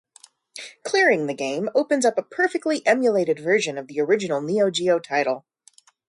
Clearing the game opens up a perfectly emulated version of the original Neo-Geo title.